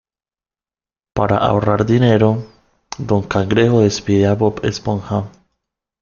Para ahorrar dinero, Don Cangrejo despide a Bob Esponja.